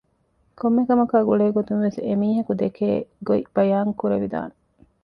ކޮންމެ ކަމަކާ ގުޅޭ ގޮތުންވެސް އެމީހަކު ދެކޭގޮތް ބަޔާން ކުރެވިދާނެ